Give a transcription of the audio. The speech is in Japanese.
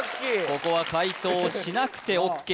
ここは解答をしなくてＯＫです